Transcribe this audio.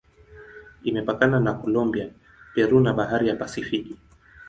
Imepakana na Kolombia, Peru na Bahari ya Pasifiki.